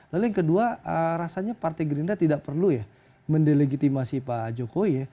lalu yang kedua rasanya partai gerindra tidak perlu ya mendelegitimasi pak jokowi ya